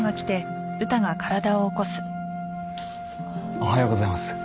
おはようございます。